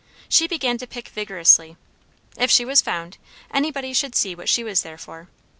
She began to pick vigorously; if she was found, anybody should see what she was there for.